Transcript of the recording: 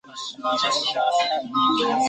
仙馔密酒是指希腊神话中诸神的食物。